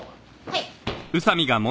はい。